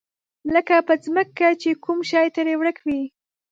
لکه په ځمکه چې کوم شی ترې ورک وي.